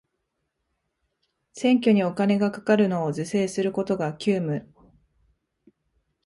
選挙にお金がかかるのを是正することが急務